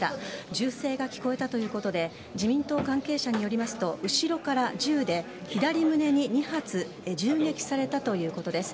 銃声が聞こえたということで自民党関係者によりますと後ろから銃で左胸に２発銃撃されたということです。